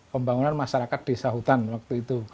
pembangunan masyarakat desa hutan waktu itu